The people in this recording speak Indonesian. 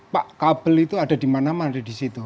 pak kabel itu ada di mana mana di situ